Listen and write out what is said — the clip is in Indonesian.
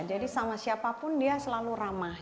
jadi sama siapapun dia selalu ramah